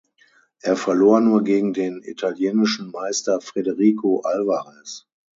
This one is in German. Er verlor nur gegen den italienischen Meister Frederico Alvarez.